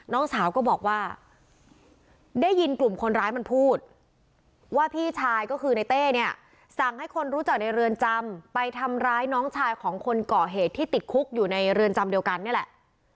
น้องสาวก็บอกว่าได้ยินกลุ่มคนร้ายมันพูดว่าพี่ชายก็คือในเต้เนี่ยสั่งให้คนรู้จักในเรือนจำไปทำร้ายน้องชายของคนก่อเหตุที่ติดคุกอยู่ในเรือนจำเดียวกันนี่แหละ